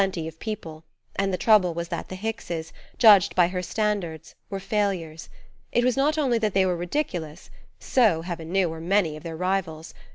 But they had to be successful common people; and the trouble was that the Hickses, judged by her standards, were failures. It was not only that they were ridiculous; so, heaven knew, were many of their rivals.